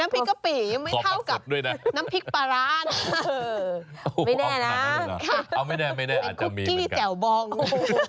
น้ำพริกกะปิไม่เท่ากับน้ำพริกปลาร้านเออไม่แน่นะค่ะคุกกี้แจ่วบองโอ้โฮ